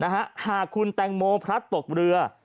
หากคุณแตงโมพลัดตกเรือ